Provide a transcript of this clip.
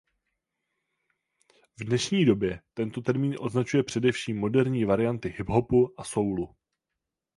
V dnešní době tento termín označuje především moderní varianty hip hopu a soulu.